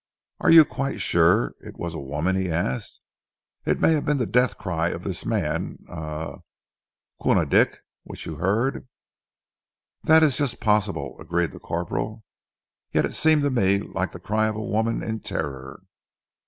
"Are you quite sure it was a woman?" he asked. "It may have been the death cry of this man er Koona Dick, which you heard." "That is just possible," agreed the corporal. "Yet it seemed to me like the cry of a woman in terror."